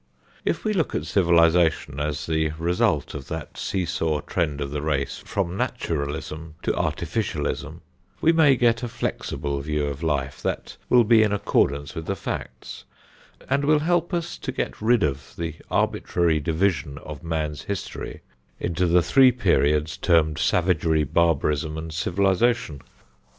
If we look at civilization as the result of that seesaw trend of the race from "Naturalism to Artificialism," we may get a flexible view of life that will be in accordance with the facts, and will help us to get rid of the arbitrary division of man's history into the three periods termed Savagery, Barbarism and Civilization.